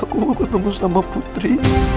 aku ketemu sama putri